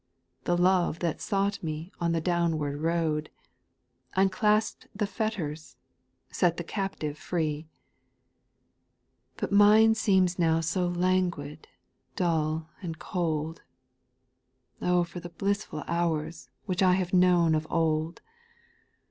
The love that sought me on the downward road, Unclasp'd the fetters, set the captive free I But mine seems now so languid, dull and cold — O for the blissful hours which I have kno^ii of old I SPIRITUAL SONGS. 883 3.